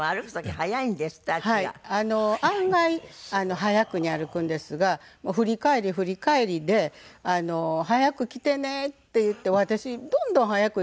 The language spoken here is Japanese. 案外速くに歩くんですが振り返り振り返りで「速く来てね」って言って私どんどん速く行くんですけど。